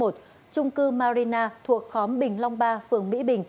trung cư marina thuộc khóm bình long ba phường mỹ bình